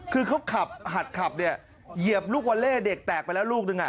คือเขาหนักขับเยียบลูกวัลเล่เด็กแตกไปแล้วลูกนึง